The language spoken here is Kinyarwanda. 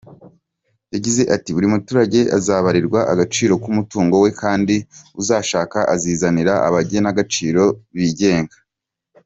Yagize ati “Buri muturage azabarirwa agaciro k’umutungo we kandi uzashaka azizanira abagenagaciro bigenga.